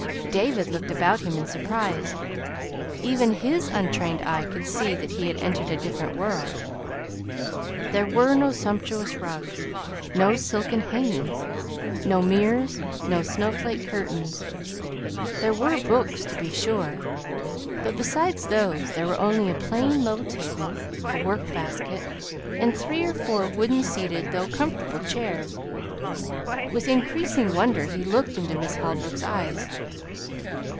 David looked about him in surprise. Even his untrained eye could see that he had entered a different world. There were no sumptuous rugs, no silken hangings; no mirrors, no snowflake curtains. There were books, to be sure, but besides those there were only a plain low table, a work basket, and three or four wooden seated though comfortable chairs. With increasing wonder he looked into Miss Holbrook's eyes.